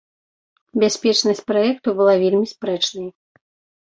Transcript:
Бяспечнасць праекту была вельмі спрэчнай.